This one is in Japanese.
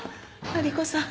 マリコさん